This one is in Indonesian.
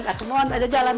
ada kemauan ada jalan